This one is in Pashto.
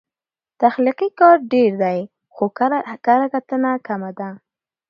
تخلیقي کار ډېر دی، خو کرهکتنه کمه